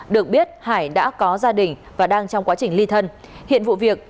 được biết hải đã có gia đình và đang trong quá trình ly thân